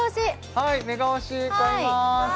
はいメガ押し買います